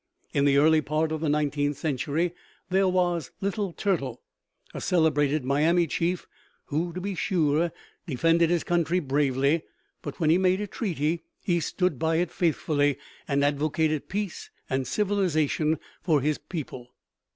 In the early part of the nineteenth century there was Little Turtle, a celebrated Miami chief, who, to be sure, defended his country bravely, but when he made a treaty he stood by it faithfully, and advocated peace and civilization for his people.